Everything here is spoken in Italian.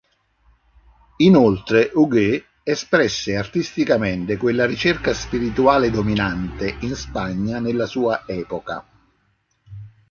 Inoltre Huguet espresse artisticamente quella ricerca spirituale dominante in Spagna nella sua epoca.